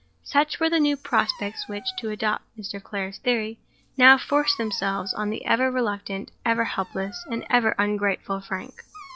Such were the new prospects which—to adopt Mr. Clare's theory—now forced themselves on the ever reluctant, ever helpless and ever ungrateful Frank.